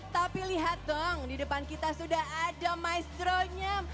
tapi lihat dong di depan kita sudah ada maestro nya